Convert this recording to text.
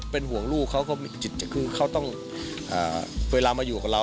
เป็นห่วงลูกเขาเขาต้องเวลามาอยู่กับเรา